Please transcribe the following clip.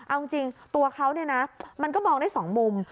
เอาจริงตัวเขาเนี่ยนะมันก็มองได้๒มุม